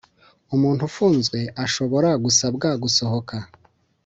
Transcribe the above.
Umuntu ufunzwe ashobora gusabwa gusohoka.